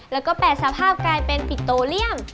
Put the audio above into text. แล้วก็๘สภาพกลายเป็นปิโตเลียม